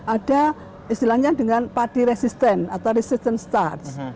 ada istilahnya dengan padi resistant atau resistant starch